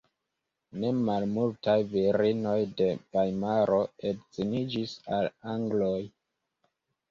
Ne malmultaj virinoj de Vajmaro edziniĝis al angloj.